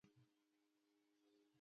ایا زما اعصاب به ښه شي؟